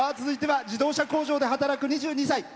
続いては自動車工場で働く２２歳。